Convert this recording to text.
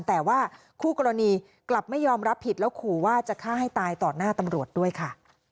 แต่ว่าคู่กรณีกลับไม่ยอมรับผิดแล้วขู่ว่าจะฆ่าให้ตายต่อหน้าตำรวจด้วยค่ะ